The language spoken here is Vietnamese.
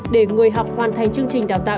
để người học hoàn thành chương trình đào tạo